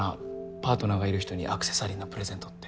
パートナーがいる人にアクセサリーのプレゼントって。